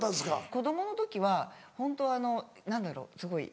子供の時はホント何だろうすごい。